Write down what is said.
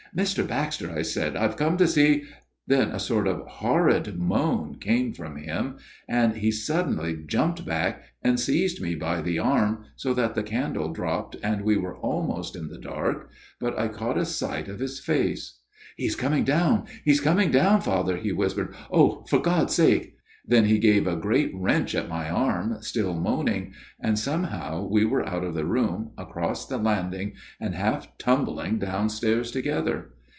Mr. Baxter,' I said, ' I have come to see '" Then a sort of horrid moan came from him, and he suddenly jumped back and seized me by the arm so that the candle dropped and we were almost in the dark ; but I caught a sight of his face. ' He is coming down, he is coming down, Father,' he whispered. ' Oh ! for God's sake !' Then he gave a great wrench at my arm, still moaning ; and somehow we were out of the room, across the landing, and half tumbling downstairs together.